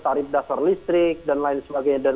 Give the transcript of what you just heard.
tarif dasar listrik dan lain sebagainya